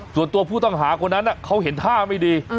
ส่วนตัวผู้ต้องหาคนนั้นเขาเห็นท่าไม่ดี